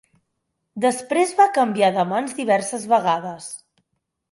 Després va canviar de mans diverses vegades.